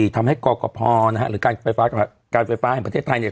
ทำให้กลกกระพรนะฮะหรือการไฟฟ้าให้ประเทศไทยเนี่ย